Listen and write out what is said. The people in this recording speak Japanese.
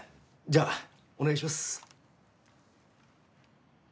じゃあお願いします。